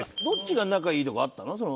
どっちが仲いいとかあったの？